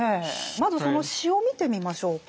まずその詩を見てみましょうか。